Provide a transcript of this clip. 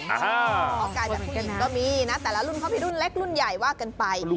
เพราะกายแบบผู้หญิงก็มีนะแต่ละรุ่นเขามีรุ่นเล็กรุ่นใหญ่ว่ากันไป